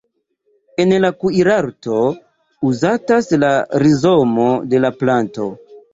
En la kuirarto uzatas la rizomo de la planto.